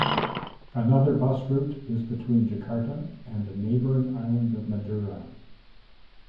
Another bus route is between Jakarta and the neighboring island of Madura.